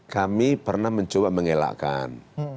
kami pernah mencoba mengelakkan